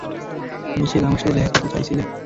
মিশেল, আমার সাথে দেখা করতে চাইছিলে?